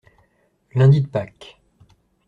Lundi de Pâques.